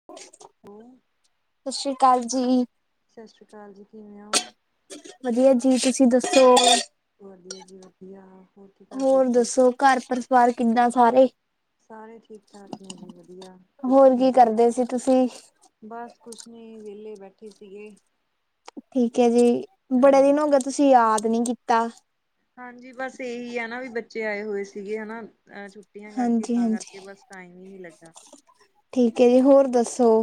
[inaudible] ਹਮ ਸਤਿ ਸ਼੍ਰੀ ਅਕਾਲ ਜੀ। ਸਤਿ ਸ਼੍ਰੀ ਅਕਾਲ ਜੀ ਕਿਵੇਂ ਹੋ? ਵਧੀਆ ਜੀ ਤੁਸੀਂ ਦੱਸੋ? ਵਧੀਆ ਜੀ ਵਧੀਆ ਹੋਰ ਕੀ ਕਰਦੇ ਹੋਰ ਸੀ? ਦੱਸੋ ਘਰ ਪਰਿਸਵਾਰ ਕਿੰਦਾ ਸਾਰੇ? ਸਾਰੇ ਠੀਕ- ਠਾਕ ਨੇ ਜੀ ਵਧੀਆ, ਤੁਸੀਂ ਹੋਰ ਕੀ ਸੁਣਾਓ? ਕਰਦੇ ਸੀ ਤੁਸੀਂ? ਬਸ ਕੁਛ ਨਹੀਂ ਵਿਹਲੇ ਬੈਠੇ ਸੀਗੇ। ਠੀਕ ਹੈ ਜੀ, ਬੜੇ ਹਾਂਜੀ ਦਿਨ ਹੋ ਗਏ ਤੁਸੀਂ ਯਾਦ ਨੀ ਕੀਤਾ। ਹਾਂਜੀ ਬਸ ਇਹੀ ਹੈ, ਨਾ ਵੀ ਬੱਚੇ ਆਏ ਹੋਏ ਸੀਗੇ ਹਨਾ। ਅ ਛੁੱਟੀਆਂ ਕਰਕੇ ਤਾਂ ਕਰਕੇ, ਹਾਂਜੀ-ਹਾਂਜੀ, ਬਸ ਟਾਈਮ ਹੀ ਨਹੀਂ ਲੱਗਾ। ਠੀਕ ਹੈ ਜੀ ਹੋਰ ਦੱਸੋ,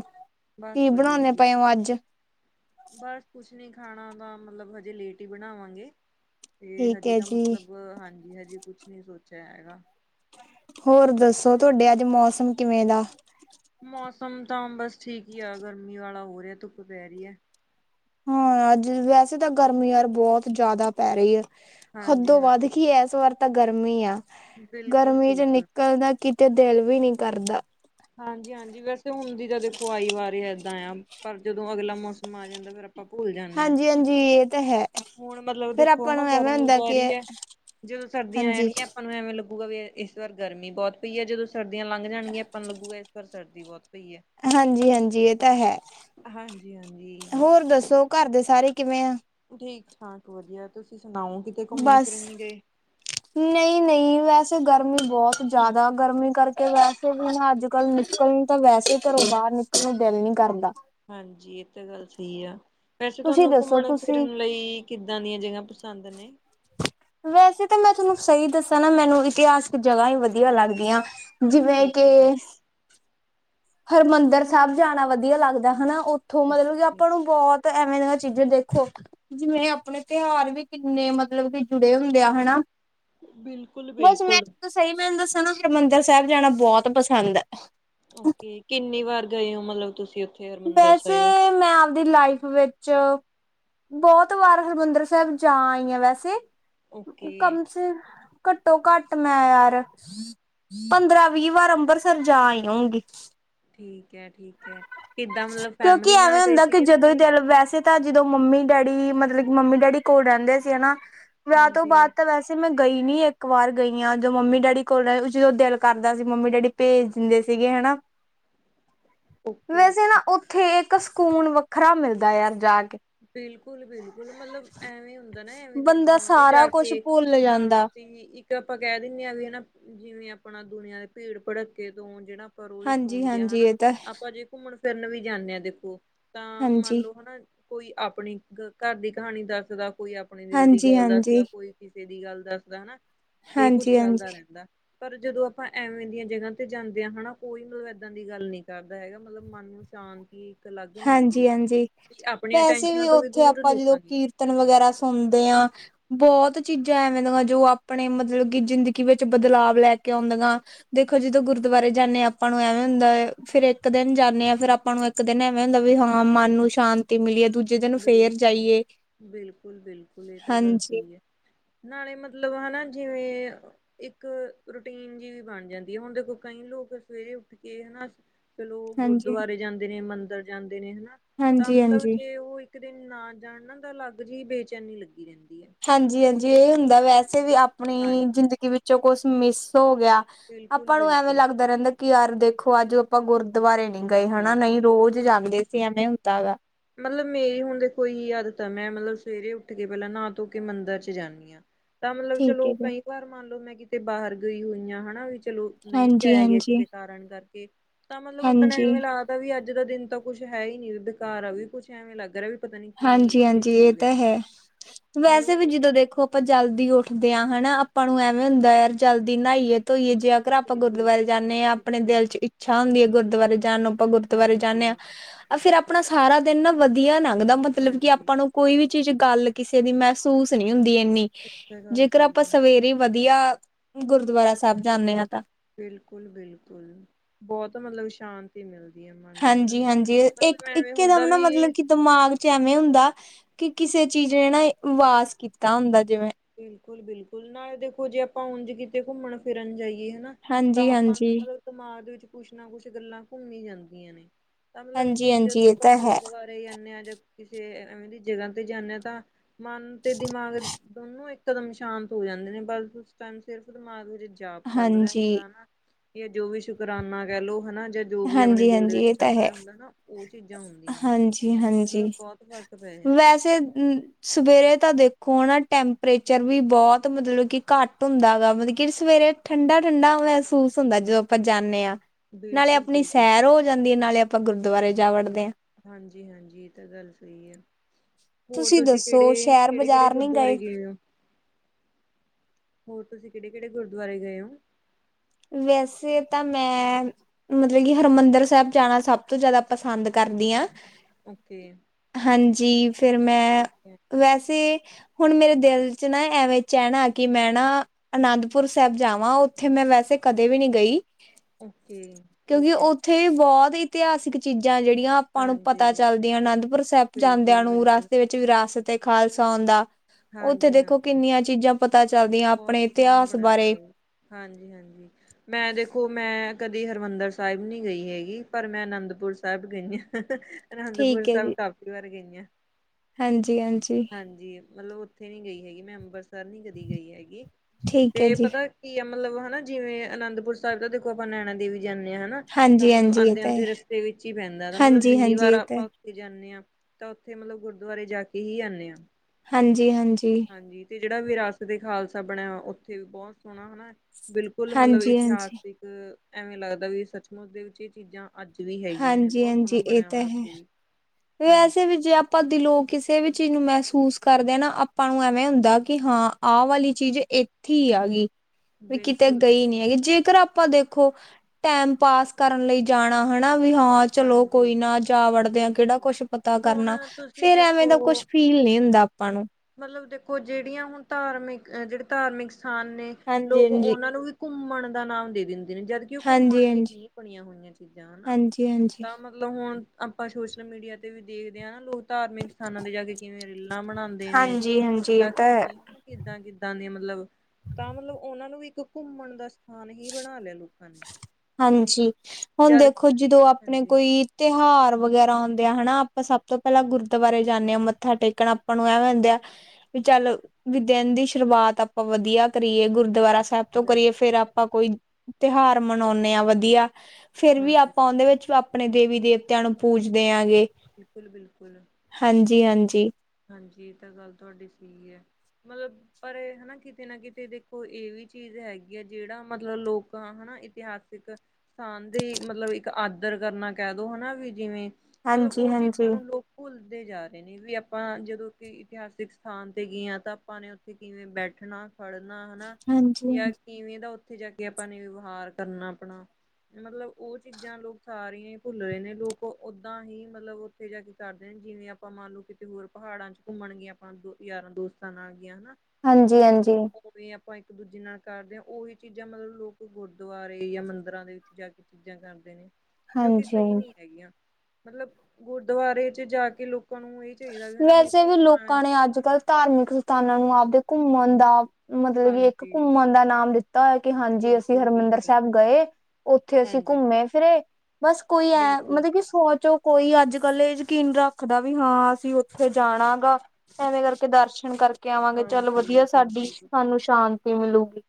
ਬਸ ਕੀ ਵਧੀਆ ਬਣਾਉਂਦੇ ਜੀ ਪਏਓ ਅੱਜ? ਬਸ ਕੁਛ ਨੀ ਖਾਣਾ ਤਾਂ ਮਤਲਬ, ਹਜੇ ਲੇਟ ਹੀ ਬਣਾਵਾਂਗੇ। ਤੇ ਠੀਕ ਹਜੇ ਹੈ ਤਾਂ ਜੀ, ਮਤਲਬ ਹਾਂਜੀ ਹਜੇ ਕੁਛ, ਨੀ ਸੋਚਿਆ ਹੈਗਾ। ਹੋਰ ਦੱਸੋ ਤੁਹਾਡੇ ਅੱਜ ਮੌਸਮ ਕਿਵੇਂ ਦਾ? ਮੌਸਮ ਤਾਂ ਬਸ ਠੀਕ ਹੀ ਆ, ਗਰਮੀ ਵਾਲਾ ਹੋ ਰਿਹਾ ਧੁੱਪ ਪੈ ਰਹੀ ਹੈ। ਹਾਂ, ਅੱਜ ਵੈਸੇ ਤਾਂ ਗਰਮੀ ਯਾਰ ਬਹੁਤ ਜ਼ਿਆਦਾ ਪੈ ਰਹੀ ਹੈ। ਹਾਂਜੀ ਹੱਦੋਂ ਵੱਧ ਹਾਂਜੀ ਕੀ ਇਸ ਵਾਰ ਤਾਂ ਗਰਮੀ ਆ। ਗਰਮੀ ਚ' ਬਿਲਕੁਲ-ਬਿਲਕੁਲ। ਨਿਕਲਦਾ ਕਿ‌ ਤੇ ਦਿਲ ਵੀ ਨਹੀਂ ਕਰਦਾ। ਹਾਂਜੀ -ਹਾਂਜੀ ਵੈਸੇ ਹੁੰਣਦੀ ਤਾਂ ਦੇਖੋ ਆਈ ਵਾਰ ਇਏਦਾਂ ਆ, ਪਰ ਜਦੋਂ ਅਗਲਾ ਮੌਸਮ ਆ ਜਾਂਦਾ ਫਿਰ ਆਪਾਂ ਭੁੱਲ ਜਾਂਦੇ ਹਾਂ। ਹਾਂਜੀ-ਹਾਂਜੀ ਇਹ ਤਾਂ ਹੈ। ਹੁਣ ਮਤਲਬ ਫੇਰ ਦੇਖੋ, ਹਨ ਆਪਾਂ ਨਾ ਨੂੰ ਐਵੇਂ ਗਰਮੀ ਹੁੰਦਾ ਪੈ ਕਿ ਰਹੀ ਹੈ। ਜਦੋਂ ਸਰਦੀਆਂ ਆ ਹਾਂਜੀ ਜਾਣਗੀਆਂ, ਆਪਾਂ ਨੂੰ ਐਵੇਂ ਲੱ ਲੱਗਾ ਵੀ ਇਸ ਵਾਰ ਗਰਮੀ ਬਹੁਤ ਪਈ ਹੈ, ਜਦੋਂ ਸਰਦੀਆਂ ਲੰਘ ਜਾਣਗੀਆਂ, ਆਪਾਂ ਲੱਗੂਗਾ ਇਸ ਵਾਰ ਸਰਦੀ ਬਹੁਤ ਪਈ ਹੈ। ਹਾਂਜੀ -ਹਾਂਜੀ ਇਹ ਤਾਂ ਹੈ। ਹਾਂਜੀ-ਹਾਂਜੀ ਇਹੀ। ਹੋਰ ਦੱਸੋ ਘਰ ਦੇ ਸਾਰੇ ਕਿਵੇਂ ਆ? ਠੀਕ -ਠਾਕ ਵਧੀਆ, ਤੁਸੀਂ ਸੁਣਾਓ ਕਿ ਬਸ। ਨਹੀਂ -ਨਹੀਂ ਵੈਸੇ ਗਰਮੀ ਬਹੁਤ ਜ਼ਿਆਦਾ ਗਰਮੀ ਕਰਕੇ ਵੈਸੇ ਅੱਜ ਕੱਲ੍ਹ ਨਿਕਲਣ ਤਾਂ ਵੈਸੇ ਹੀ ਘਰੋਂ ਬਾਹਰ ਨਿਕਲਣ ਦਿਲ ਨੀ ਕਰਦਾ। ਹਾਂਜੀ, ਇਹ ਤਾਂ ਗੱਲ ਸਹੀ ਆ। ਵੈਸੇ ਤੁਸੀਂ ਤੁਹਾਨੂੰ ਦੱਸੋ ਘੁੰਮਣ ਤੁਸੀਂ ਫਿਰਨ ਲਈ ਕਿੱਦਾਂ ਦੀਆਂ ਜਗ੍ਹਾ ਪਸੰਦ ਨੇ। ਵੈਸੇ ਤਾਂ ਮੈਂ ਤੁਹਾਨੂੰ ਸਹੀ ਦੱਸਾਂ ਨਾ ਮੈਨੂੰ ਇਤਿਹਾਸਿਕ ਜਗ੍ਹਾ ਹੀ ਵਧੀਆ ਲੱਗਦੀਆਂ। ਜਿਵੇਂ ਕਿ ਠੀਕ ਐ ਹਰਿਮੰਦਰ ਸਾਹਿਬ ਜਾਣਾ ਵਧੀਆ ਲੱਗਦਾ ਹਨਾ। ਉੱਥੋਂ ਮਤਲਬ ਕਿ ਓਕੇ। ਆਪਾਂ ਨੂੰ ਬਹੁਤ ਤਾਂ ਐਵੇਂ ਦੀਆਂ ਚੀਜ਼ਾਂ ਦੇਖੋ। ਜਿਵੇਂ ਆਪਣੇ ਤਿਉਹਾਰ ਵੀ ਕਿੰਨੇ ਮਤਲਬ ਕਿ ਜੁੜੇ ਹੁੰਦੇ ਆ ਹਨਾ। ਬਿਲਕੁਲ- ਬਸ ਮੈਂ ਬਿਲਕੁਲ। ਸਹੀ ਮੈਨੂੰ ਦੱਸਾਂ ਨਾ ਹਰਿਮੰਦਰ ਸਾਹਿਬ ਜਾਣਾ ਬਹੁਤ ਪਸੰਦ ਹੈ। ਓਕੇ, ਕਿੰਨੀ ਵਾਰ ਗਏ ਹੋ ਮਤਲਬ ਤੁਸੀਂ ਉੱਥੇ। ਹਰਿਮੰਦਰ ਵੈਸੇ, ਸਾਹਿਬ ਮੈਂ ਦੀ ਲਾਈਫ ਵਿੱਚ, ਬਹੁਤ ਵਾਰ ਹਰਿਮੰਦਰ ਸਾਹਿਬ ਜਾ ਆਈ ਆ ਵੈਸੇ। ਕਮ ਓਕੇ ਸ, ਘੱਟੋ- ਘੱਟ ਮੈਂ ਯਾਰ ਪੰਦਰਾਂ- ਵੀਹ ਵਾਰ ਅੰਬਰਸਰ ਜਾ ਹੀ ਆਊਗੇ। ਠੀਕ ਹੈ, ਠੀਕ ਹੈ। ਕਿੱਦਾਂ ਮਤਲਬ ਕਿਉਂਕਿ ਫੈਮਿਲੀ ਐਵੇਂ ਨਾਲ ਗਏ ਹੁੰਦਾ ਕਿ ਸੀਗੇ ਜਦੋਂ ਤੁਸੀਂ ਦਿਲ ਵੈਸੇ ਤਾਂ ਜਦੋਂ ਮੰਮੀ- ਡੈਡੀ ਮਤਲਬ ਕਿ ਮੰਮੀ- ਡੈਡੀ ਕੋਲ ਰਹਿੰਦੇ ਸੀ ਹਨਾ। ਵਿਆਹ ਤੋਂ ਬਾਅਦ ਹਾਂਜੀ ਤਾਂ ਵੈਸੇ ਮੈਂ ਗਈ ਨੀ ਇੱਕ ਵਾਰ ਗਈ ਹਾਂ, ਜਦੋਂ ਮੰਮੀ- ਡੈਡੀ ਕੋਲ ਰ ਜਦੋਂ ਦਿਲ ਕਰਦਾ ਸੀ ਮੰਮੀ- ਡੈਡੀ ਭੇਜ ਦਿੰਦੇ ਸੀਗੇ ਹਨਾ। ਓਕੇ ਵੈਸੇ ਨਾ ਓਕੇ ਉੱਥੇ ਇੱਕ ਸਕੂਨ ਵੱਖਰਾ, ਮਿਲਦਾ ਯਾਰ ਜਾ ਕੇ। ਬਿਲਕੁਲ -ਬਿਲਕੁਲ, ਮਤਲਬ ਐਵੇਂ ਹੁੰ ਦਾ ਨਾ ਐਵੇਂ ਦੀਆਂ ਬੰਦਾ ਥਾਵਾਂ ਤੇ ਸਾਰਾ ਜਾ ਕੁਛ ਕੇ ਭੁੱਲ ਜਾਂਦਾ ਸ਼ਾਨਤੀ ਇੱਕ ਤੇ ਆਪਾਂ ਕਹਿ ਦਿੰਦੇ ਹਾਂ ਵੀ ਹਨਾ, ਜਿਵੇਂ ਆਪਣਾ ਦੁਨੀਆਂ ਦੇ ਭੀੜ -ਭੜੱਕਕੇ ਤੋਂ ਜਿਹੜਾ ਆਪਾਂ ਰੋਜ਼ ਹਾਂਜੀ ਸੁਣਦੇ ਹਾਂ, ਹਾਂਜੀ ਹਨਾ ਇਹ ਤਾਂ ਆਪਾਂ ਜੇ ਘੁੰਮਣ ਫਿਰਨ ਵੀ ਜਾਂਦੇ ਹਾਂ, ਦੇਖੋ ਤਾਂ ਮੰਨ ਹਾਂਜੀ ਲਓ ਹਨਾ ਕੋਈ ਆਪਣੀ ਘਰ ਦੀ ਕਹਾਣੀ ਦੱਸਦਾ, ਕੋਈ ਆਪਣੇ ਦਿਲ ਦੀ ਹਾਂਜੀ ਗੱਲ ਹਾਂਜੀ ਦੱਸਦਾ ਕੋਈ ਕਿਸੇ ਦੀ ਗੱਲ ਦੱਸਦਾ ਹਨਾ, ਇਹ ਕੁੱਛ ਹਾਂਜੀ ਚੱਲਦਾ ਹਾਂਜੀ ਰਹਿੰਦਾ। ਪਰ ਜਦੋਂ ਆਪਾਂ ਐਵੇਂ ਦੀਆਂ ਜਗ੍ਹਾ ਤੇ ਜਾਂਦੇ ਹਾਂ ਹਨਾ, ਕੋਈ ਮਤਲਬ ਇੱਦਾਂ ਦੀ ਗੱਲ ਨੀ ਕਰਦਾ, ਹੈਗਾ ਮਤਲਬ ਮਨ ਸ਼ਾਂਤੀ ਇੱਕ ਅਲੱਗ ਮਿਲਦੀ ਹਾਂਜੀ ਹੈ, ਹਾਂਜੀ ਤੇ ਆਪਣੀਆਂ ਵੈਸੇ ਟੈਸ਼ਨਾਂ ਤੋਂ ਵੀ ਉੱਥੇ ਦੂਰ ਆਪਾਂ ਜਦੋਂ ਲੋਕਾਂ ਦੀ। ਕੀਰਤਨ ਵਗੈਰਾ ਸੁਣਦੇ ਹਾਂ। ਬਹੁਤ ਚੀਜ਼ਾਂ ਐਵੇਂ ਦੀ [unintelligible] ਜੋ ਆਪਣੇ ਮਤਲਬ, ਕਿ ਜ਼ਿੰਦਗੀ ਵਿੱਚ ਬਦਲਾਵ ਲੈ ਕੇ ਆਉਂਦੇਆਂ। ਦੇਖੋ ਜਦੋਂ ਗੁਰਦੁਆਰੇ ਜਾਂਦੇ ਹਾਂ, ਆਪਾਂ ਨੂੰ ਐਵੇਂ ਹੁੰਦਾ ਹੈ ਫਿਰ ਇੱਕ ਦਿਨ ਜਾਂਦੇ ਹਾਂ ਫਿਰ ਆਪਾਂ ਨੂੰ ਇੱਕ ਕਹਿੰਨੇ ਐਵੇਂ [unintelligible] ਵੀ ਹਾਂ ਮਨ ਨੂੰ ਸ਼ਾਂਤੀ ਮਿਲੀ ਹੈ ਦੂਜੇ, ਦਿਨ ਫੇਰ ਬਿਲਕੁਲ, ਜਾਈਏ ਬਿਲਕੁਲ, ਬਿਲਕੁਲ ਇਹ ਤਾਂ ਗੱਲ ਹਾਂਜੀ ਸਹੀ ਹੈ। ਨਾਲੇ ਮਤਲਬ ਹਨਾ ਜਿਵੇਂ ਇੱਕ ਰੂਟੀਨ ਜਿ ਵੀ ਬਣ ਜਾਂਦੀ ਹੈ। ਹੁਣ ਦੇਖੋ ਕਈ ਲੋਕ ਸਵੇਰੇ ਉੱਠ ਕੇ ਹਨਾ ਚਲੋ ਹਾਂਜੀ ਗੁਰਦੁਆਰੇ ਜਾਂਦੇ ਨੇ, ਮੰਦਿਰ ਜਾਂਦੇ ਨੇ, ਹਨਾ ਤਾਂ ਹਾਂਜੀ ਮਤਲਬ ਹਾਂਜੀ ਜੇ ਉਹ ਇੱਕ ਦਿਨ ਨਾ ਜਾਣ ਨਾ ਤਾਂ ਅਲੱਗ ਜਿਹੀ ਬੇਚੈਨੀ ਲੱਗੀ ਰਹਿੰਦੀ ਹੈ। ਹਾਂਜੀ, ਹਾਂਜੀ ਇਹ ਹੁੰਦਾ ਵੈਸੇ ਵੀ ਆਪਣੀ ਹਾਂਜੀ ਜ਼ਿੰਦਗੀ ਵਿੱਚੋਂ ਕੁਸ ਮਿਸ ਹੋ ਗਿਆ। ਬਿਲਕੁਲ ਆਪਾਂ ਨੂੰ ਐਵੇਂ ਬਿਲਕੁਲ ਲੱਗਦਾ ਰਹਿੰਦਾ ਕਿ ਯਾਰ ਦੇਖੋ ਅੱਜ ਆਪਾਂ ਗੁਰਦੁਆਰੇ ਨਹੀਂ ਗਏ ਹਨਾ, ਹਾਂਜੀ ਨਹੀਂ ਰੋਜ਼ ਜਾਂਦੇ ਹਾਂਜੀ ਸੀ ਐਵੇਂ ਹੁੰਦਾ ਹੈਗਾ। ਮਤਲਬ ਮੇਰੀ ਹੁਣ ਦੇਖੋ ਇਕੋ ਹੀ ਆਦਤ ਮੈਂ ਮਤਲਬ ਸਵੇਰੇ ਉੱਠ ਕੇ ਪਹਿਲਾਂ ਨਾ ਧੋ ਕੇ ਮੰਦਿਰ ਚ ਜਾਣਾ। ਤਾਂ ਮਤਲਬ ਠੀਕ ਹੈ ਚਲੋ ਜੀ ਕਈ ਵਾਰ ਮੰਨ ਲੋ ਮੈਂ ਕਿਤੇ ਬਾਹਰ ਗਈ ਹੋਈ ਹਾਂ ਹਨਾ ਵੀ ਚਲੋ ਨਹੀਂ ਹਾਂਜੀ ਜਾਇਆ ਗਿਆ ਹਾਂਜੀ ਕਿਸੇ ਕਾਰਨ ਕਰਕੇ ਤਾਂ ਮਤਲਬ ੳਹ ਹਾਂਜੀ ਤਾਂ ਤਾਂ ਵੀ ਅੱਜ ਦਾ ਦਿਨ ਤਾਂ ਕੁੱਛ ਹੈ ਹੀ ਨੀ ਬੇਕਾਰ ਆ ਵੀ ਕੁੱਛ ਐਵੇਂ ਲੱਗ ਰਿਹਾ ਵੀ ਪਤਾ ਨੀ ਕੀ ਹਾਂਜੀ ਮਿਸ -ਹਾਂਜੀ ਹੋ ਇਹ ਗਿਆ ਤਾਂ ਹੈ, ਮਤਲਬ ਵੈਸੇ ਵੀ ਉਹ ਜਦੋਂ ਦੇਖੋ ਆਪਾਂ ਜਲਦੀ ਉੱਠਦੇ ਹਾਂ ਹਨਾ ਆਪਾਂ ਨੂੰ ਐਵੇਂ ਹੁੰਦਾ ਯਾਰ ਜਲਦੀ ਨਾਈਏ ਧੋਈਏ ਜੇ ਗਰ ਆਪਾਂ ਬਿਲਕੁਲ ਗੁਰਦੁਆਰੇ ਜਾਂਦੇ ਹਾਂ, ਆਪਣੇ ਬਿਲਕੁਲ ਦਿਲ ਚ ਇੱਛਾ ਹੁੰਦੀ ਹੈ ਗੁਰਦੁਆਰੇ ਜਾਣ ਨੂੰ ਆਪਾਂ ਗੁਰਦੁਆਰੇ ਜਾਂਦੇ ਹਾਂ, ਹਾਂਜੀ ਆ ਫੇਰ ਆਪਣਾ ਸਾਰਾ ਦਿਨ ਨਾ ਵਧੀਆ ਲੰਘਦਾ ਮਤਲਬ ਕਿ ਹਾਂਜੀ ਆਪਾਂ ਨੂੰ ਕੋਈ ਵੀ ਚੀਜ਼ ਗੱਲ ਕਿਸੇ ਦੀ ਮਹਿਸੂਸ ਨਹੀਂ ਹੁੰਦੀ ਇੰਨੀ। ਇੱਕ ਤਾਂ ਗੱਲ ਜੇਕਰ ਸਹੀ ਆਪਾਂ ਹੈ ਸਵੇਰੇ ਵਧੀਆ ਗੁਰਦੁਆਰਾ ਸਾਹਿਬ ਜਾਂਦੇ ਹਾਂ ਤਾਂ। ਬਿਲਕੁਲ -ਬਿਲਕੁਲ ਬਹੁਤ ਮਤਲਬ ਸ਼ਾਂਤ ਤੀ ਮਿਲਦੀ ਹੈ ਮਨ ਨੂੰ ਹਨਾ ਹਾਂਜੀ-ਹਾਂਜੀ ਇੱਕ ਮਤਲਬ ਐਵੇਂ ਇੱਕੇ ਹੁੰਦਾ ਦਮ ਨਾ ਮਤਲਬ ਵੀ ਕਿ ਦਿਮਾਗ ਚ ਐਵੇਂ ਹੁੰਦਾ ਕਿ ਕਿਸੇ ਚੀਜ਼ ਨੇ ਨਾ ਵਾਸ ਕੀਤਾ ਹੁੰਦਾ ਜਿਵੇਂ। ਬਿਲਕੁਲ -ਬਿਲਕੁਲ ਨਾਲੇ ਦੇਖੋ ਜੇ ਆਪਾਂ ਉਂਝ ਕਿਤੇ ਘੁੰਮਣ ਫਿਰਨ ਜਾਈਏ ਹਨਾ! ਤਾਂ ਆਪਾਂ ਹਾਂਜੀ-ਹਾਂਜੀ। [unintelligible] ਦਿਮਾਗ ਵਿੱਚ ਕੁਛ ਨਾ ਕੁਛ ਗੱਲਾਂ ਘੁੰਮੀ ਜਾਂਦੀਆਂ ਨੇ। ਤਾਂ ਮਤਲਬ ਹਾਂਜੀ-ਹਾਂਜੀ ਜਦੋਂ ਇਹ ਆਪਾਂ ਤਾਂ ਹੈ ਗੁਰਦੁਆਰੇ ਜਾਂਦੇ [unintelligible] ਹਾਂ ਜਾਂ ਕਿਸੇ ਐਵੇਂ ਦੀ ਜਗ੍ਹਾ ਤੇ ਜਾਂਦੇ ਹਾਂ ਤਾਂ ਮਨ ਤੇ ਦਿਮਾਗ, ਨੂੰ ਇਕ ਦਮ ਸ਼ਾਂਤ ਹੋ ਜਾਂਦੇ ਨੇ ਬਸ ਉਸ ਟਮ ਸਿਰਫ ਦਿਮਾਗ ਜਾਪ ਚੱਲ ਰਿਹਾ ਹਾਂਜੀ। ਹੁੰਦਾ ਹਨਾ ਇਹ ਜੋ ਵੀ ਸ਼ੁਕਰਾਨਾ ਕਹਿ ਲਓ ਹਨਾ ਜ ਜੋ ਵੀ ਆਪਣੇ ਦਿਲ ਦੇ ਹਾਂਜੀ-ਹਾਂਜੀ ਵਿੱਚ ਇਹ ਚੱਲ ਤਾਂ ਹੈ ਰਿਹਾ ਹੁੰਦਾ ਨਾ, ਉਹ ਚੀਜ਼ਾਂ ਹੁੰਦੀਆਂ ਨੇ, ਮਤਲਬ ਹਾਂਜੀ-ਹਾਂਜੀ ਬਹੁਤ ਫਰਕ ਵੈਸੇ! ਸਵੇਰੇ ਤਾਂ ਦੇਖੋ ਨਾ ਟੈਂਪਰੇਚਰ ਵੀ ਬਹੁਤ ਮਤਲਬ ਕਿ ਘੱਟ ਹੁੰਦਾ ਗਾ ਮਤਲਬ ਕਿ ਸਵੇਰੇ, ਠੰਡਾ -ਠੰਡਾ ਮਹਿਸੂਸ ਹੁੰਦਾ ਜਦੋਂ ਆਪਾਂ ਜਾਂਦੇ ਆ। ਨਾਲੇ ਬਿਲਕੁਲ ਆਪਣੀ ਬਿਲਕੁਲ ਸੈਰ ਹੋ ਜਾਂਦੀ, ਨਾਲੇ ਆਪਾਂ ਗੁਰਦਵਾਰੇ ਜਾ ਵੜਦੇ ਆਂ। ਹਾਂਜੀ- ਹਾਂਜੀ ਏ ਤਾਂ ਗੱਲ ਸ‌ਈ ਆ। ਹੋਰ ਤੁਸੀਂ ਦੱਸੋ ਕੇੜੇ, ਸ਼ਹਿਰ ਕੇੜੇ- ਕੇੜੇ ਬਾਜ਼ਾਰ ਨੀ ਗੁਰਦਵਾਰੇ ਗਏ ਓ? ਹੋਰ ਤੁਸੀਂ ਕੇੜੇ- ਕੇੜੇ ਗੁਰਦਵਾਰੇ ਗਏ ਓ? ਵੈਸੇ ਤਾਂ ਮੈਂ- ਮਤਲਬ ਕੀ ਹਰਿਮੰਦਰ ਸੈਬ ਜਾਣਾ, ਸਭ ਤੋਂ ਜਾਦਾ ਪਸੰਦ ਕਰਦੀ ਆਂ। ਓਕੇ ਹਾਂਜੀ ਫੇਰ ਮੈਂ ਠੀਕ ਹੈ ਵੈਸੇ- ਹੁਣ ਮੇਰੇ ਦਿਲ 'ਚ ਨਾ ਐਵੇਂ ਚੈਣਾ ਕੀ ਮੈਂ ਨਾ- ਅਨੰਦਪੁਰ ਸੈਬ ਜਾਵਾਂ, ਓਥੇ ਮੈਂ ਵੈਸੇ ਕਦੇ ਵੀ ਨੀ ਗਈ। ਓਕੇ, ਠੀਕ ਐ। ਥੇ ਬੋਤ ਇਤਿਹਾਸਿਕ ਚੀਜ਼ਾਂ ਜੇੜੀਆਂ- ਆਪਾਂ ਨੂੰ ਪਤਾ ਹਾਂਜੀ ਚੱਲਦੀ ਅਨੰਦਪੁਰ ਸੈਬ ਬਿਲਕੁਲ ਜਾਂਦਿਆਂ ਨੂੰ ਬਿਲਕੁਲ ਰਾਸਤੇ ਵਿੱਚ ਵਿਰਾਸਤ ਏ ਖਾਲਸਾ ਆਉਂਦਾ। ਓਥੇ ਹਾਂਜੀ ਦੇਖੋ ਹਾਂਜੀ ਕਿੰਨੀਆਂ ਚੀਜ਼ਾਂ ਪਤਾ ਚੱਲਦੀਆਂ ਬਹੁਤ ਆਪਣੇ ਸੋਹਣਾ ਇਤਿਹਾਸ ਬਣਿਆ ਬਾਰੇ। ਹੋਇਆ ਉਹ ਹਾਂਜੀ ਹਾਂਜੀ। ਮੈਂ ਦੇਖ' ਮੈਂ ਕਦੀ ਹਰਿਮੰਦਰ ਸਾਇਬ ਨਈ ਗਈ ਹੈਗੀ, ਪਰ ਮੈਂ ਅਨੰਦਪੁਰ ਸੈਬ ਗਈ ਆਂ। ਹਾਹਾ ਅਨੰਦਪੁਰ ਠੀਕ ਹੈ ਸੈਬ ਜੀ ਕਾਫੀ ਵਾਰ ਗਈ ਆਂ। ਹਾਂਜੀ ਹਾਂਜੀ ਹਾਂਜੀ ਮਲਬ- ਓਥੇ ਨੀ ਗਈ ਹੈਗੀ ਮੈਂ ਅੰਬਰਸਰ ਨੀ ਕਦੀ ਗਈ ਹੈਗੀ। ਠੀਕ ਹੈ ਤੇ ਜੀ ਪਤਾ- ਕੀ ਆ ਮਤਲਬ ਹਨਾ ਜਿਵੇਂ ਅਨੰਦਪੁਰ ਸੈਬ ਦਾ ਦੇਖੋ ਆਪਾਂ ਨੈਣਾ ਦੇਵੀ ਜਾਂਨੇ ਆਂ ਹਨਾ। ਤਾਂ ਮਲਬ ਹਾਂਜੀ-ਹਾਂਜੀ ਇਹ ਆਂਦੇ ਤਾਂ ਹੈ, ਆਂਦੇ ਰਸਤੇ ਵਿੱਚ ਈ ਪੈਂਦਾ। ਏਦਾ ਮਲਬ ਜਿੰਨੀ ਹਾਂਜੀ-ਹਾਂਜੀ ਵਾਰ ਇਹ ਤਾਂ ਹੈ, ਆਪਾਂ- ਤੇ ਜਾਂਨੇ ਆਂ, ਤਾਂ ਓਥੇ ਮਲਬ ਗੁਰਦਵਾਰੇ ਜਾ ਕੇ ਹੀ ਆਨੇ ਆਂ। ਹਾਂਜੀ ਹਾਂਜੀ ਹਾਂਜੀ ਤੇ ਜੇੜਾ ਵਿਰਾਸਤ ਏ ਖਾਲਸਾ ਬਣਿਆ ਵਾ, ਓਥੇ ਵੀ ਬੋਤ ਸੋਣਾ ਹਨਾ- ਬਿਲਕੁਲ ਮਲਬ ਹਾਂਜੀ-ਹਾਂਜੀ, ਇਤਿਹਾਸਿਕ ਐਵੇਂ ਲੱਗਦਾ ਵੀ ਸੱਚਮੁੱਚ ਦੇ ਵਿੱਚ ਏ ਚੀਜ਼ਾਂ- ਅੱਜ ਵੀ ਹੈਗੀਆਂ ਨੇ, ਬੋਤ ਸੋਣਾ ਹਾਂਜੀ-ਹਾਂਜੀ ਇਹ ਬਣਿਆ ਤਾਂ ਹੋਇਆ ਹੈ। ਓਥੇ ਵੀ। ਹਾਂਜੀ ਵੈਸੇ ਵੀ ਜੇ ਆਪਾਂ ਦਿਲੋਂ ਕਿਸੇ ਵੀ ਚੀਜ਼ ਨੂੰ ਮਹਿਸੂਸ ਕਰਦੇ ਨਾ, ਆਪਾਂ ਨੂੰ ਐਵੇਂ ਹੁੰਦਾ ਕੀ ਹਾਂ- ਆ ਵਾਲੀ ਚੀਜ਼ ਏਥੇ ਈ ਆ ਗੀ। ਵੀ ਕਿਤੇ ਬਿਲਕੁਲ ਗਈ ਬਿਲਕੁਲ ਨੀ ਹੈਗੀ। ਜੇਕਰ ਆਪਾਂ ਦੇਖੋ ਟੈਮ ਪਾਸ ਕਰਨ ਲਈ- ਜਾਣਾ ਹਨਾ, ਵੀ ਹਾਂ ਚਲੋ ਹਾਂਜੀ ਕੋਈ ਨਾ ਜਾ ਵੜਦੇ ਆਂ। ਕੇੜਾ- ਬਿਲਕੁਲ ਕੁੱਛ ਪਤਾ ਹੁਣ ਕਰਨਾ ਤੁਸੀਂ ਫੇਰ ਐਵੇਂ ਦਾ ਕੁਛ ਫੀਲ ਨੀ ਹੁੰਦਾ ਆਪਾਂ ਨੂੰ। ਮਲਬ ਦੇਖੋ ਜੇੜੀਆਂ ਹੁਣ ਧਾਰਮਿਕ ਅ ਜੇੜੇ ਧਾਰਮਿਕ ਸਥਾਨ ਨੇ, ਲੋਕ ਹਾਂਜੀ-ਹਾਂਜੀ, ਓਨਾਂ ਨੂੰ ਵੀ- ਘੁੰਮਣ ਦਾ ਨਾਮ ਦੇ ਦਿੰਦੇ ਨੇ। ਜਦਕਿ ਓ ਘੁੰਮਣ ਲਈ ਹਾਂਜੀ-ਹਾਂਜੀ, ਨਈ ਬਣੀਆਂ ਹੋਈਆਂ ਚੀਜ਼ਾਂ ਹਨਾ। ਹਾਂਜੀ-ਹਾਂਜੀ, ਤਾਂ ਮੈਂ- ਮਲਬ ਹੁਣ ਆਪਾਂ ਸੋਸ਼ਲ ਮੀਡੀਆ ਤੇ ਵੀ ਦੇਖਦੇ ਆ ਨਾ, ਲੋਕ ਧਾਰਮਿਕ ਸਥਾਨਾਂ ਤੇ ਜਾ ਕੇ ਕਿਵੇਂ ਰੀਲਾਂ ਬਣਾ- ਕਿਵੇਂ ਹਾਂਜੀ-ਹਾਂਜੀ ਇਹ ਤਾਂ ਹੈ। [unintelligible] ਕਿੱਦਾਂ ਕਿੱਦਾਂ ਦੀਆਂ ਮਲਬ- ਤਾਂ ਮਲਬ ਓਨਾਂ ਨੂੰ ਵੀ ਇੱਕ ਘੁੰਮਣ ਦਾ ਸਥਾਨ ਹੀ ਬਣਾ ਲਿਆ ਲੋਕਾਂ ਨੇ। ਹਾਂਜੀ ਹੁਣ ਜਦ ਦੇਖੋ ਕਿ ਜਿਦੋਂ ਆਪਣੇ ਹਾਂਜੀ ਕੋਈ- ਤਿਉਹਾਰ ਵਗੈਰਾ ਆਉਂਦੇ ਆ ਹਨਾ, ਆਪਾਂ ਸਭ ਤੋਂ ਪੈਲਾਂ ਗੁਰਦਵਾਰੇ ਜਾਂਨੇ ਆਂ ਮੱਥਾ ਟੇਕਣ। ਆਪਾਂ ਨੂੰ ਐਵੇਂ ਹੁੰਦੇ ਐ- ਵੀ ਚੱਲ ਵੀ ਦਿਨ ਦੀ ਸ਼ੁਰੂਆਤ ਆਪਾਂ ਵਧੀਆ ਕਰੀਏ ਗੁਰਦਵਾਰਾ ਸੈਬ- ਤੋਂ ਬਿਲ ਕਰੀਏ। ਫੇਰ ਆਪਾਂ ਕੋਈ ਤਿਉਹਾਰ ਮਨਾਉਣੇ ਆਂ ਵਧੀਆ। ਫੇਰ ਵੀ ਹਾਂਜੀ ਆਪਾਂ ਓਂਦੇ ਵਿੱਚ ਆਪਣੇ ਦੇਵੀ ਦੇਵਤਿਆਂ ਨੂੰ ਪੂਜਦੇ ਆਂ ਗੇ। ਬਿਲਕੁਲ ਬਿਲਕੁਲ ਹਾਂਜੀ ਹਾਂਜੀ ਹਾਂਜੀ ਏ ਤਾਂ ਗੱਲ ਤੁਆਡੀ ਸ‌ਈ ਐ। ਮਲਬ- ਪਰ ਹਨਾ ਕਿਤੇ ਨਾ ਕਿਤੇ ਦੇਖੋ ਏ ਵੀ ਚੀਜ਼ ਹੈਗੀ ਆ, ਜੇੜਾ ਮਤਲਬ ਲੋਕਾਂ ਹਨਾ- ਇਤਿਹਾਸਿਕ ਸਥਾਨ ਦੀ ਮਤਲਬ ਇੱਕ ਆਦਰ ਕਰਨਾ ਕੈ ਦੋ ਹਨਾ ਵੀ ਜਿਵੇਂ ਮਤਲਬ ਹਾਂਜੀ ਓ ਚੀਜ਼ਾਂ ਹਾਂਜੀ ਨੂੰ ਲੋਕ ਭੁੱਲਦੇ ਜਾ ਰਏ ਨੇ ਵੀ ਆ ਆਪਾਂ ਜਦੋਂ ਕਿ ਇਤਿਹਾਸਿਕ ਸਥਾਨ ਤੇ ਗੇ ਆਂ ਤਾਂ ਆਪਾਂ ਨੇ ਓਥੇ ਕਿਵੇਂ ਬੈਠਣਾ। ਖੜਨਾ ਹਨਾ ਹਾਂਜੀ ਹਾਂਜੀ ਯਾਂ ਕਿਵੇਂ ਦਾ ਓਥੇ ਜਾ ਕੇ ਆਪਾਂ ਨੇ ਵਿਵਹਾਰ ਕਰਨਾ ਆਪਣਾ। ਮਤਲਬ ਓ ਚੀਜ਼ਾਂ ਲੋਕ ਸਾਰੀਆਂ ਈ ਭੁੱਲ ਰਏ ਨੇ ਲੋਕ ਓਦਾਂ ਹੀ ਮਤਲਬ ਓਥੇ ਜਾ ਕੇ ਕਰਦੇ ਨੇ ਜਿਵੇਂ ਆਪਾਂ ਮੰਨ ਲਓ ਕਿ ਕਿਤੇ ਹੋਰ ਪਹਾੜਾਂ ਚ ਘੁੰਮਣ ਗੇਆਂ ਆਪਾਂ ਯਾਰਾਂ ਦੋਸਤਾਂ ਨਾਲ ਗੇਆਂ ਹਨਾ। ਹਾਂਜੀ-ਹਾਂਜੀ। ਓਵੇ ਆਪਾਂ ਇੱਕ ਦੂਜੀ ਨਾਲ ਕਰਦੇ ਆਂ ਓਹੀ ਚੀਜਾਂ ਮਤਲਬ ਲੋਕ ਗੁਰਦੁਆਰੇ ਜਾਂ ਮੰਦਿਰਾਂ ਦੇ ਵਿੱਚ ਜਾ ਕੇ ਚੀਜਾਂ ਕਰਦੇ ਨੇ। ਜੋ ਕਿ ਹਾਂਜੀ ਸਈ ਨੀ ਹੈਗੀਆਂ, ਮਤਲਬ ਗੁਰਦਵਾਰੇ ਚ ਜਾ ਕੇ ਲੋਕਾਂ ਨੂੰ ਏ ਵੈਸੇ ਵੀ ਲੋਕਾਂ ਨੇ ਅੱਜ-ਕੱਲ ਧਾਰਮਿਕ ਸਥਾਨਾਂ ਨੂੰ ਆਵਦੇ ਘੁੰਮਣ ਦਾ ਮਤਲਬ ਕਿ ਇੱਕ ਹਾਂਜੀ ਘੁੰਮਣ ਦਾ ਨਾਮ ਦਿੱਤਾ ਹੋਇਆ ਕਿ ਹਾਂਜੀ ਅਸੀਂ ਬਿਲਕੁਲ ਹਰਿਮੰਦਰ ਬਿਲਕੁਲ ਸੈਬ ਗਏ। ਓਥੇ ਅਸੀਂ ਹਾਂਜੀ ਘੁੰਮੇ ਫਿਰੇ, ਬਸ ਕੋਈ ਐਂਏ ਬਿਲਕੁਲ ਮਤਲਬ ਕਿ ਸੋ ਚੋ ਕੋਈ ਅੱਜ ਕੱਲ ਏ ਯਕੀਨ ਰੱਖਦਾ ਵੀ ਹਾਂ ਅਸੀਂ ਓਥੇ ਜਾਣਾ ਗਾ ਐਵੇਂ ਕਰਕੇ ਦਰਸ਼ਨ ਕਰ ਕੇ ਆਵਾਂਗੇ ਚੱਲ ਵਦੀਆ ਹਾਂਜੀ ਸਾਡੀ, ਹਾਂਜੀ ਸਾਨੂੰ ਸ਼ਾਂਤੀ ਮਿਲੂਗੀ।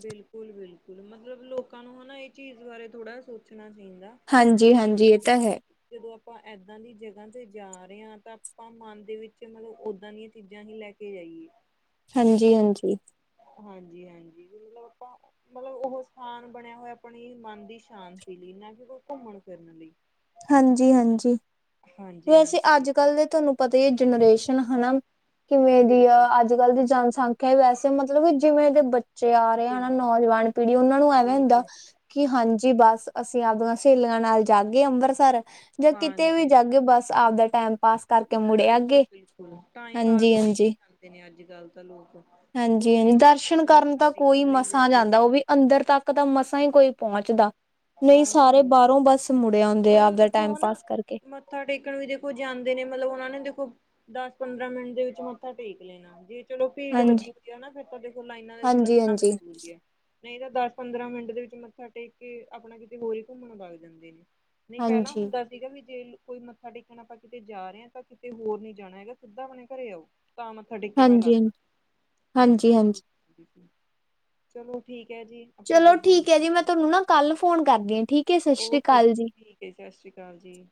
ਬਿਲਕੁਲ-ਬਿਲਕੁਲ ਮਤਲਬ ਲੋਕਾਂ ਨੂੰ ਹਨਾ ਏ ਚੀਜ਼ ਬਾਰੇ ਥੋੜਾ ਜਾ ਸੋਚਣਾ ਚਾਈਂਦਾਂ। ਹਾਂਜੀ-ਹਾਂਜੀ ਏ ਤਾ ਹੈ। ਜਦੋਂ ਆਪਾਂ ਏਦਾਂ ਦੀ ਜਗਾਂ ਤੇ ਜਾ ਰਏ ਆਂ ਤਾਂ ਆਪਾਂ ਮਨ ਦੇ ਵਿੱਚ ਮਤਲਬ ਓਦਾਂ ਦੀਆਂ ਚੀਜਾਂ ਹੀ ਲੈ ਕੇ ਜਾਈਏ। ਹਾਂਜੀ-ਹਾਂਜੀ। ਹਾਂਜੀ-ਹਾਂਜੀ ਵੀ ਮਤਲਬ ਆਪਾਂ ਮਤਲਬ ਓਹ ਸਥਾਨ ਬਣਿਆ ਹੋਇਆ ਆਪਣੀ ਮਨ ਦੀ ਸ਼ਾਂਤੀ ਲਈ ਨਾ ਕਿ ਕੋਈ ਘੁੰਮਣ ਫਿਰਨ ਲਈ। ਹਾਂਜੀ-ਹਾਂਜੀ, ਵੈਸੇ ਹਾਂਜੀ-ਹਾਂਜੀ ਅੱਜ ਕੱਲ ਦੇ ਤੁਆਨੂੰ ਪਤਾ ਈ ਐ ਜਨਰੇਸ਼ ਨ ਹਨਾ ਕਿਵੇਂ ਦੀ ਬਿਲਕੁਲ ਆ, ਅੱਜ-ਕੱਲ ਦੀ ਜਨਸੰੰਖ ਆ ਵੈਸੇ ਮਤਲਬ ਕਿ ਜਿਵੇਂ ਦੇ ਬੱਚੇ ਆ ਰਏ ਆ ਬਿਲ ਨਾ ਨੌਜਵਾਨ ਪੀੜੀ ਓਨਾਂ ਨੂੰ ਐਵੇਂ ਹੁੰਦਾ ਬਿਲਕੁਲ ਕਿ ਹਾਂਜੀ ਬਸ ਅਸੀਂ ਆਵਦੀਆਂ ਸਹੇਲੀਆਂ ਨਾਲ ਜਾਗੇ ਅੰਬਰਸਰ। ਜਾਂ ਕਿਤੇ ਵੀ ਹਾਂਜੀ ਜਾਗੇ ਬਸ ਆਵਦਾ ਟੈਮ ਪਾਸ। ਕਰਕੇ ਮੁੜੇ ਅੱਗੇ ਬਿਲਕੁਲ-ਬਿਲਕੁਲ ਟਾਈਮ ਪਾਸ ਹਾਂਜੀ ਲਈ ਜਾਂਦੇ ਨੇ ਅੱਜ-ਕੱਲ ਤਾਂ ਲੋਕ। ਹਾਂਜੀ-ਹਾਂਜੀ ਕੋਈ ਦਰਸ਼ਨ ਕਰਨ ਮੱਥਾ ਤਾਂ ਕੋਈ ਟੇਕਣ ਲਈ ਮਸਾਂ ਜਾ ਰਹੇ ਜਾਂਦਾ ਨੇ ਓ ਵੀ ਅੰਦਰ ਤੱਕ ਤਾਂ ਮਸਾਂ ਈ ਕੋਈ ਪੌਂਚਦਾ ਨਈਂ ਸਾਰੇ ਬਾਰੋਂ ਬੱਸ ਮੁੜੇ ਔਂਦੇ ਆ। ਆਪਦਾ ਟਾਈਮ ਹੁਨ ਪਾਸ ਕਰਕੇ ਮੱਥਾ ਟੇਕਣ ਵੀ ਦੇਖੋ ਜਾਂਦੇ ਨੇ ਮਤਲਬ ਓਨਾਂ ਨੇ ਦੇਖੋ ਦਸ-ਪੰਦਰਾਂ ਮਿੰਟ ਦੇ ਵਿੱਚ ਮੱਥਾ ਟੇਕ ਲੈਨਾ ਜੇ ਚਲੋ ਭੀੜ ਹਾਂਜੀ ਲੱਗੀ ਹੁੰਦੀ ਆ ਨਾ ਫਿਰ ਤਾਂ ਦੇਖੋ ਲਾਈਨਾਂ ਦੇ ਵਿੱਚ ਹਾਂਜੀ ਲੱਗਣਾ ਹਾਂਜੀ ਮਜਬੂਰੀ ਐ। ਨਈਂ ਤਾਂ ਦਸ ਪੰਦਰਾਂ ਮਿੰਟ ਦੇ ਵਿੱਚ ਮੱਥਾ ਟੇਕ ਕੇ ਆਪਣਾ ਕਿਤੇ ਹੋਰ ਈ ਘੁੰਮਣ ਬਗ ਜਾਂਦੇ ਨੇ। ਨਈਂ ਪੈਲਾਂ ਹਾਂਜੀ ਹੁੰਦਾ ਸੀਗਾ ਵੀ ਜੇ ਕੋਈ ਮੱਥਾ ਟੇਕਣ ਆਪਾਂ ਕਿਤੇ ਜਾ ਰਏ ਆਂ ਤਾਂ ਕਿਤੇ ਹੋਰ ਨੀ ਜਾਣਾ ਹੈਗਾ ਸਿੱਦਾ ਆਪਣੇ ਘਰੇ ਆਓ। ਤਾਂ ਮੱਥਾ ਟੇਕਿਆ ਹੋਇਆ ਹਾਂਜੀ ਹਾਂਜੀ ਲੱਗਦਾ, ਹਾਂਜੀ। ਹਾਂਜੀ-ਹਾਂਜੀ ਚਲੋ ਠੀਕ ਐ ਜੀ। ਆਪਾਂ ਚਲੋ ਜੁੜ ਠੀਕ ਐ ਜੀ ਮੈਂ ਜਾਗੇ ਤੋਨੂੰ ਨਾ ਕੱਲ ਫੋਨ ਕਰਦੀ ਆਂ ਠੀਕ। ਹੈ ਸਤਿ ਸ੍ਰੀ ਓਕੇ ਜੀ ਅਕਾਲ ਠੀਕ ਐ ਜੀ ਸਸ਼੍ਰੀ ਕਾਲ ਜੀ।